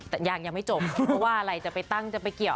แต่ยังยังไม่จบเพราะว่าอะไรจะไปตั้งจะไปเกี่ยว